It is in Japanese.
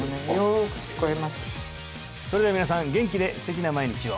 それでは皆さん元気で素敵な毎日を！